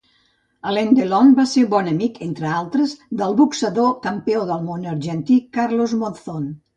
Alain Delon va ser bon amic, entre altres, del boxejador campió del món argentí, Carlos Monzón.